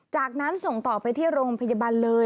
จากนั้นส่งต่อไปที่โรงพยาบาลเลย